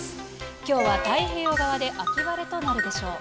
きょうは太平洋側で秋晴れとなるでしょう。